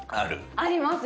ありますよ。